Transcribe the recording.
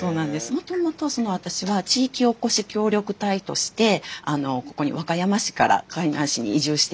もともと私は地域おこし協力隊としてここに和歌山市から海南市に移住してきたんです。